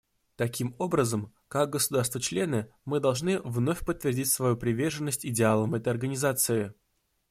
Таким образом, как государства-члены мы должны вновь подтвердить свою приверженность идеалам этой Организации.